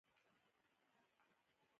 آیا دوی سیمې ته سمنټ نه صادروي؟